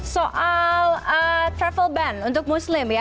soal travel ban untuk muslim ya